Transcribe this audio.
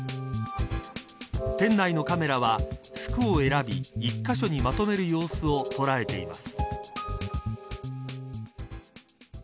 店内のカメラは、服を選び１カ所にまとめる様子を捉えています。